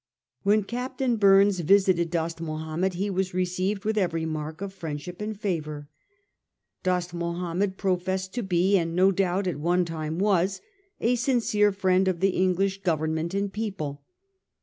When Captain Bumes visited Dost Mahomed, he was received with every mark of friendship and favour. Dost Mahomed professed to be, and no doubt at one time was, a sincere friend of the English Government and people.